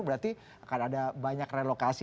berarti akan ada banyak relokasi